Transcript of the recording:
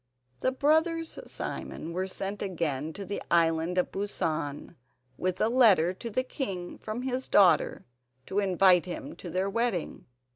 The brothers Simon were sent again to the Island of Busan with a letter to the king from his daughter to invite him to their wedding.